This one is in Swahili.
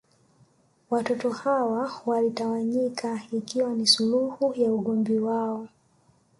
Watoto hawa walitawanyika ikiwa ni suluhu ya ugomvi wao